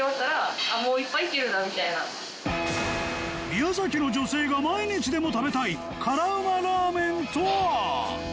宮崎の女性が毎日でも食べたい辛ウマラーメンとは？